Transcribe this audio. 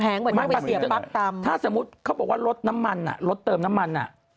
แพงปะมันไม่เสียบั๊บตำถ้าสมมุติเขาบอกว่ารถน้ำมันรถเติมน้ำมัน